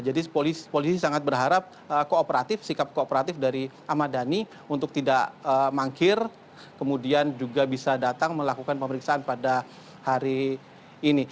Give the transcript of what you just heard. jadi polisi sangat berharap kooperatif sikap kooperatif dari ahmad dhani untuk tidak mangkir kemudian juga bisa datang melakukan pemeriksaan pada hari ini